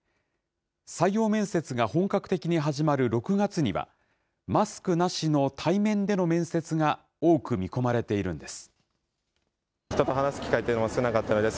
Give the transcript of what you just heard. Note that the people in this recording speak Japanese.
採用面接が本格的に始まる６月には、マスクなしの対面での面接が多く見込まれているんです。